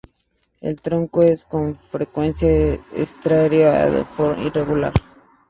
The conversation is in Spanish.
El tronco es con frecuencia estriado o de forma irregular.